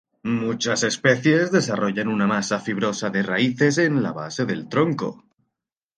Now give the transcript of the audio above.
Muchas especies desarrollan una masa fibrosa de raíces en la base del tronco.